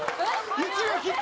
１秒切った！